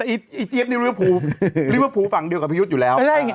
อีเจี๊ยบนี่รีบภูร์ฟังเดียวกับพี่ยุทธ์อยู่แล้ว